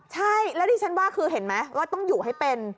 ใช่แล้วดิฉันว่าคือเห็นไหมว่าต้องอยู่ให้เป็น